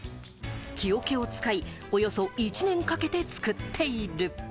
木桶を使いおよそ１年かけて作っている。